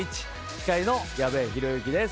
司会の矢部浩之です。